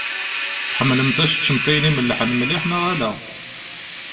Tḥemmlemt ad teččemt ayen imellḥen mliḥ neɣ ala?